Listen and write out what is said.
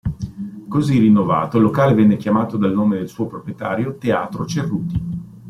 Così rinnovato, il locale venne chiamato, dal nome del suo proprietario, Teatro Cerruti.